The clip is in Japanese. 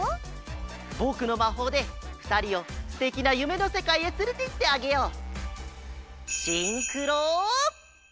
ぼくのまほうでふたりをすてきなゆめのせかいへつれていってあげよう！